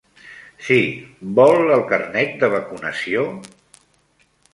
Sí, vol el carnet de vacunació?